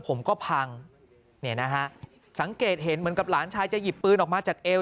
ผมก็พังเนี่ยนะฮะสังเกตเห็นเหมือนกับหลานชายจะหยิบปืนออกมาจากเอว